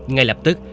ngay lập tức